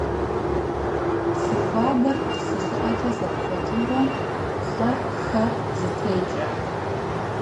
Псы хуабэр псы щӀыӀэкӀэ зэпхъуэкӀыурэ, плӀэ-хэ зытекӀэ.